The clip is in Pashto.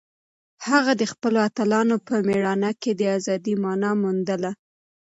هغه د خپلو اتلانو په مېړانه کې د ازادۍ مانا موندله.